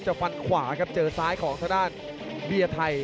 ฟันขวาครับเจอซ้ายของทางด้านเบียร์ไทย